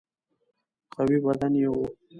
قوي بدن یې وو.